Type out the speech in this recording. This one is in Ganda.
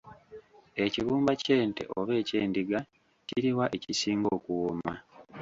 Ekibumba ky'ente oba eky'endiga kiriwa ekisinga okuwooma?